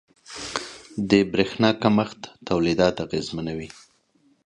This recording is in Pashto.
• د برېښنا کمښت تولیدات اغېزمنوي.